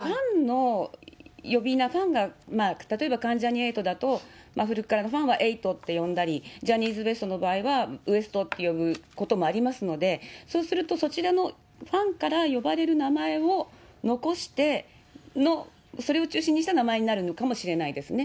まあ、一部ではこれ、ファンの呼び名、ファンが例えば関ジャニ∞だと、古くからのファンはエイトって呼んだり、ジャニーズＷＥＳＴの場合は、ウエストって呼ぶこともありますので、そうするとそちらのファンから呼ばれる名前を残しての、それを中心にした名前になるのかもしれないですね。